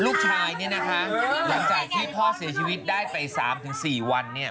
ลูกชายเนี่ยนะคะหลังจากที่พ่อเสียชีวิตได้ไป๓๔วันเนี่ย